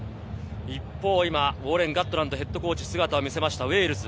一方、ウォーレン・ガットランドＨＣが姿を見せましたウェールズ。